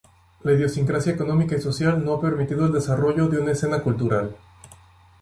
La idiosincrasia económica y social no ha permitido el desarrollo de una escena cultural.